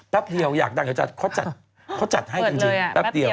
แป๊บเดี๋ยวอยากดังเดี๋ยวจัดเค้าจัดให้จริง